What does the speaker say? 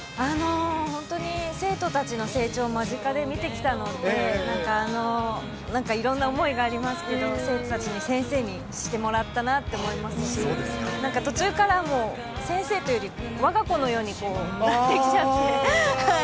本当に生徒たちの成長を間近で見てきたので、なんか、いろんな思いがありますけど、生徒たちに先生にしてもらったなって思いますし、なんか途中からもう、先生というよりわが子のようになってきちゃって。